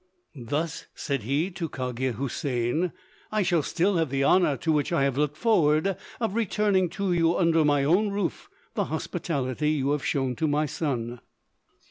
"Thus," said he to Cogia Houssain, "I shall still have the honour, to which I have looked forward, of returning to you under my own roof the hospitality you have shown to my son."